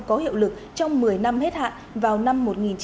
có hiệu lực trong một mươi năm hết hạn vào năm một nghìn chín trăm chín mươi bốn